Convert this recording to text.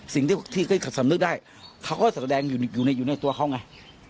สิ่งที่สำนึกได้เขาก็แสดงอยู่ในตัวเขาไง